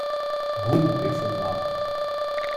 Rum perfumado!